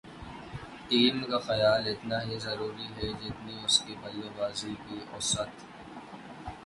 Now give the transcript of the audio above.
team کا خیال اتنا ہی ضروری ہے جتنی اس کی بلےبازی کی اوسط